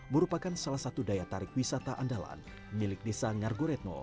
merupakan salah satu daya tarik wisata andalan milik desa ngargoretno